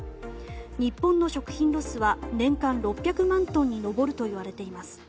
日本の食品ロスは年間６００万トンに上るといわれています。